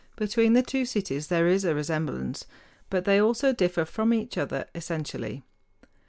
Between the two cities there is a resemblance; but they also differ from each other essentially.